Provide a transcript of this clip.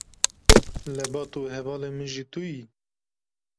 lebat û hevalê min jî tu yî?